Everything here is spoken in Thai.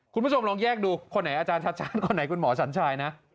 คุณผู้ชมลองแยกดูคนไหนอาจารย์ชัดชาติคนไหนคุณหมอสัญชายนะ